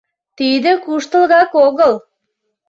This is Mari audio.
Тиде куштылгак огыл.